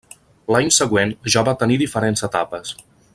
L'any següent ja va tenir diferents etapes.